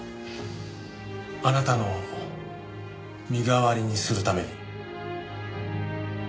あなたの身代わりにするために。